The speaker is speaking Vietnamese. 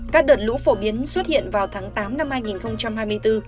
các đợt lũ phổ biến xuất hiện vào tháng tám năm hai nghìn hai mươi bốn